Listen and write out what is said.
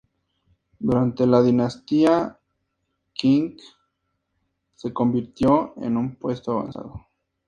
Durante la dinastía Qing se convirtió en un puesto avanzado.